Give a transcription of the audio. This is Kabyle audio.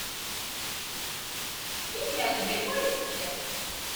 Yak iɛǧeb-ak wayen teččiḍ!